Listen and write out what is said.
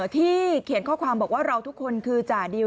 ที่เขียนข้อความบอกว่าเราทุกคนคือจ่าดิว